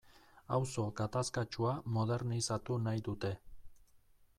Auzo gatazkatsua modernizatu nahi dute.